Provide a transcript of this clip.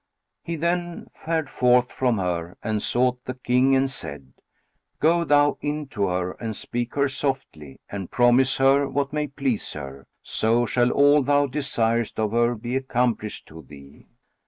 He then fared forth from her and sought the King and said, "Go thou in to her and speak her softly and promise her what may please her; so shall all thou desirest of her be accomplished to thee."